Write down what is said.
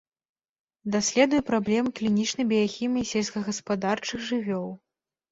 Даследуе праблемы клінічнай біяхіміі сельскагаспадарчых жывёл.